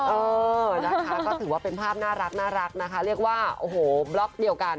เออนะคะก็ถือว่าเป็นภาพน่ารักนะคะเรียกว่าโอ้โหบล็อกเดียวกัน